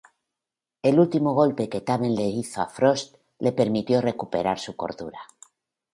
El último golpe que Taven le hizo a Frost, le permitió recuperar su cordura.